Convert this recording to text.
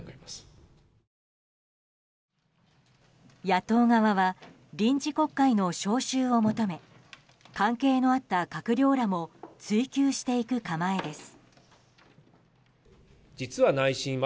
野党側は臨時国会の召集を求め関係のあった閣僚らも追及していく構えです。